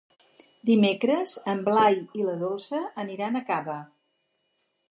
Dimecres en Blai i na Dolça aniran a Cava.